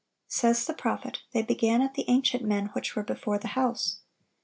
(1136) Says the prophet, "They began at the ancient men which were before the house."